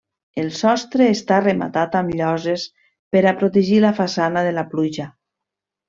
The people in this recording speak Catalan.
El sostre està rematat amb lloses per a protegir la façana de la pluja.